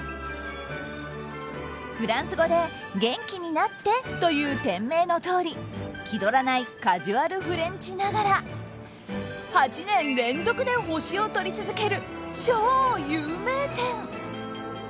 フランス語で元気になってという店名のとおり気取らないカジュアルフレンチながら８年連続で星をとり続ける超有名店。